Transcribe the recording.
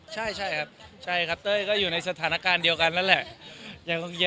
ใช่ครับเต้ยก็อยู่ในสถานการณ์เดียวกันละแหละ